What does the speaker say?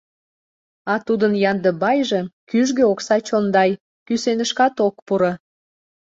А тудын Яндыбайже — кӱжгӧ окса чондай, кӱсенышкат ок пуро.